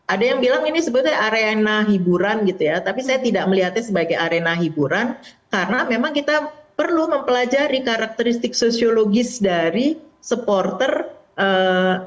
ada yang bilang ini sebetulnya arena hiburan gitu ya tapi saya tidak melihatnya sebagai arena hiburan karena memang kita perlu mempelajari karakteristik sosiologis dari supporter indonesia